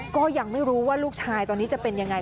ก็ยังไม่รู้ว่าลูกชายตอนนี้จะเป็นยังไง